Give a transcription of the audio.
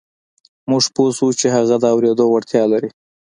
موږ پوه شوو چې هغه د اورېدو وړتيا لري.